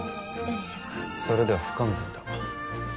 それでは不完全だ。